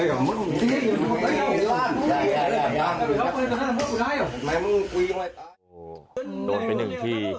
โอ้โฮโดดไปหนึ่งที่